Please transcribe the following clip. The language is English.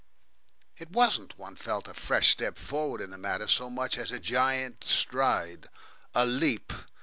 It wasn't, one felt, a fresh step forward in the matter so much as a giant stride, a leap.